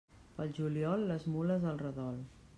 Pel juliol, les mules al redol.